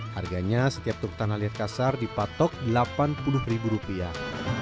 harganya setiap truk tanah liat kasar dipatok delapan puluh ribu rupiah